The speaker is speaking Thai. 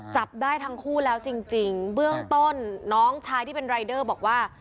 จับได้ทั้งคู่แล้วจริงจริงเบื้องต้นน้องชายที่เป็นรายเดอร์บอกว่า